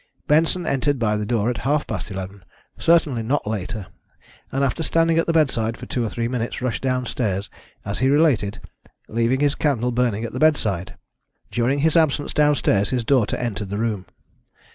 Benson entered by the door at half past eleven, certainly not later, and after standing at the bedside for two or three minutes, rushed downstairs, as he related, leaving his candle burning at the bedside. During his absence downstairs his daughter entered the room.